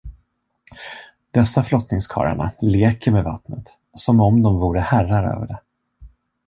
Dessa flottningskarlarna leker med vattnet, som om de vore herrar över det.